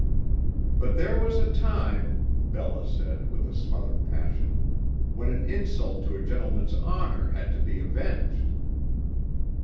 "But there was a time," Bella said, with a smothered passion, "when an insult to a gentleman's honor had to be avenged."